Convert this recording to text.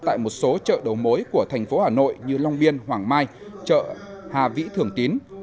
tại một số chợ đầu mối của thành phố hà nội như long biên hoàng mai chợ hà vĩ thường tín